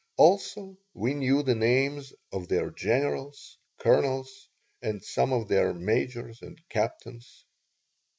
Also, we knew the names of their generals, colonels, and some of their majors or captains.